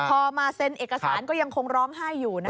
พอมาเซ็นเอกสารก็ยังคงร้องไห้อยู่นะคะ